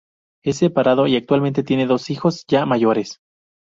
Es separado, y actualmente tiene dos hijos ya mayores.